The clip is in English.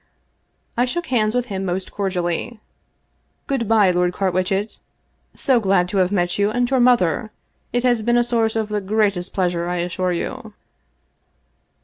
I shook hands with him most cordially. " Good by, Lord Carwitchet So glad to have met you and your mother. It has been a source of the greatest pleasure, I assure you."